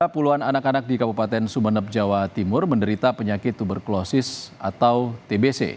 puluhan anak anak di kabupaten sumeneb jawa timur menderita penyakit tuberkulosis atau tbc